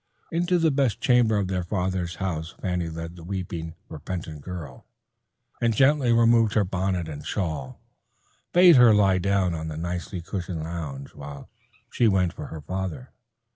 Into the best chamber of their father's house Fanny led the weeping, repentant girl, and gently removing her bonnet and shawl, bade her lie down on the nicely cushioned lounge, while she went for her father.